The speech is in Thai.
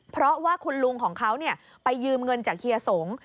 เพราะว่าคุณลุงของเขาไปยืมเงินจากเฮียสงฆ์